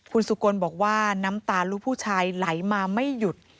คุณสุกลบอกว่าน้ำตาลูกผู้ชายไหลมาไม่หยุด